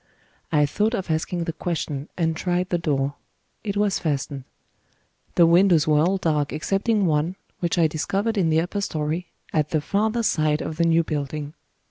I thought of asking the question, and tried the door: it was fastened. The windows were all dark excepting one, which I discovered in the upper storey, at the farther side of the new building.